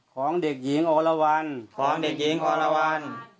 ของเด็กหญิงอลวรรรวรร